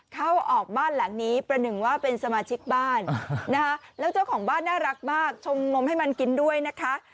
เข้าออกบ้านหลังนี้ประหนึ่งว่าเป็นสมาชิกบ้านนะคะแล้วเจ้าของบ้านน่ารักมากชงนมให้มันกินด้วยนะคะ